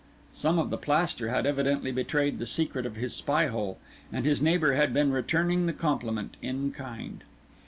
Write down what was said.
Some of the plaster had evidently betrayed the secret of his spy hole, and his neighbour had been returning the compliment in kind.